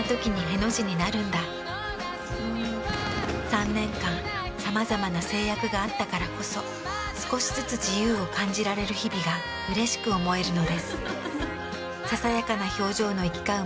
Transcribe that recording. ３年間さまざまな制約があったからこそ少しずつ自由を感じられる日々がうれしく思えるのです。